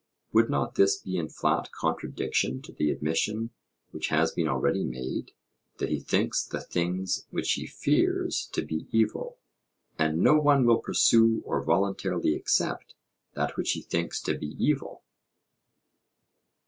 Would not this be in flat contradiction to the admission which has been already made, that he thinks the things which he fears to be evil; and no one will pursue or voluntarily accept that which he thinks to be evil?